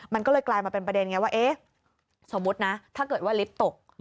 มันก็เลยกลายมาเป็นประเด็นไงว่าเอ๊ะสมมุตินะถ้าเกิดว่าลิฟต์ตก